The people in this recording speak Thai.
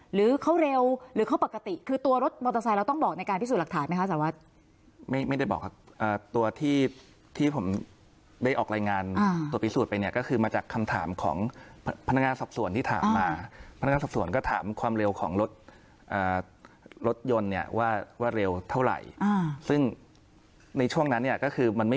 หรือเขาเร็วหรือเขาปกติคือตัวรถมอเตอร์ไซค์เราต้องบอกในการพิสูจน์หลักฐานไหมคะสารวัตรไม่ไม่ได้บอกครับตัวที่ที่ผมได้ออกรายงานตัวพิสูจน์ไปเนี่ยก็คือมาจากคำถามของพนักงานสอบสวนที่ถามมาพนักงานสอบสวนก็ถามความเร็วของรถรถยนต์เนี่ยว่าว่าเร็วเท่าไหร่ซึ่งในช่วงนั้นเนี่ยก็คือมันไม่